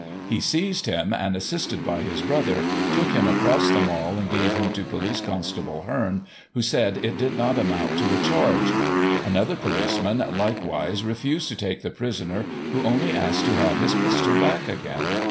He seized him, and, assisted by his brother, took him across the Mall, and gave him to Police Constable Heam, who said " it did not amount to a charge." Another policeman, likewise, refused to take the prisoner, who only asked to have his pistol back again.